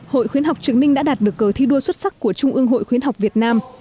hội khuyến học trực ninh đã đạt được cờ thi đua xuất sắc của trung ương hội khuyến học việt nam